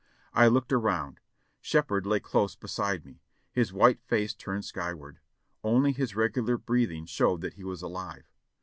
I looked around. Shepherd lay close beside me, his white face turned skyward ; only his regular breathing showed that he was alive.